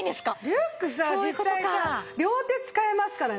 リュックさ実際さ両手使えますからね。